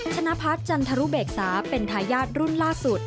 ธนพัฒน์จันทรุเบกษาเป็นทายาทรุ่นล่าสุด